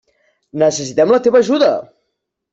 Necessitem la teva ajuda!